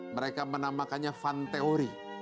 mereka menamakannya fun theory